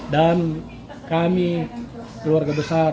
dan kami keluarga besar